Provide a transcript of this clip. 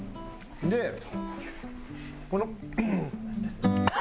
でこの。